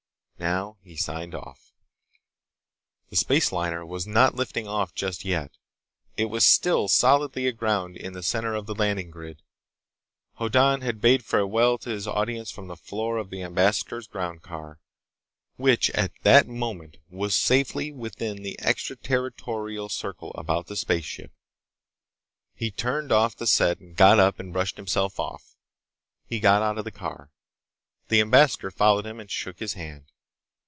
Now he signed off. The space liner was not lifting off just yet. It was still solidly aground in the center of the landing grid. Hoddan had bade farewell to his audience from the floor of the ambassador's ground car, which at that moment was safely within the extra territorial circle about the spaceship. He turned off the set and got up and brushed himself off. He got out of the car. The ambassador followed him and shook his hand.